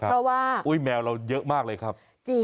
เพราะว่าแมวเราเยอะมากเลยครับ